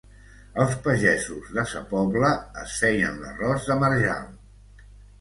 Els pagesos de Sa Pobla es feien l'arròs de marjal